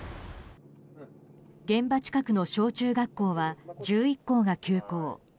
現場近くの小中学校は１１校が休校。